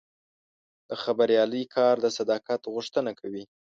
د خبریالۍ کار د صداقت غوښتنه کوي.